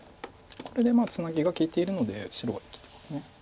これでツナギが利いているので白は生きてます。